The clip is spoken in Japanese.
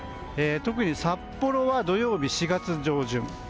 特に札幌は土曜日４月上旬。